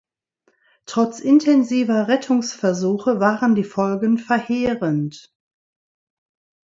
Trotz intensiver Rettungsversuche waren die Folgen verheerend.